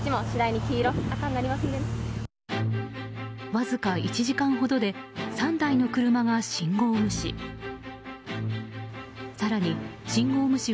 わずか１時間ほどで３台の車が信号無視。